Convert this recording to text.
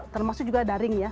termasuk juga daringnya